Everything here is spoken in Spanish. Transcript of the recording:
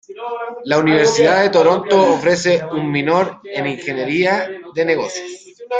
La Universidad de Toronto ofrece un minor en ingeniería de negocios.